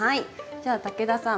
じゃあ武田さん